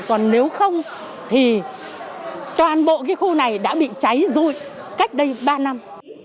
còn nếu không thì toàn bộ cái khu này đã bị cháy rụi cách đây ba năm